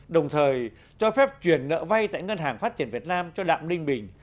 đồng thời cho phép chuyển nợ vay tại ngân hàng phát triển việt nam cho đạm ninh bình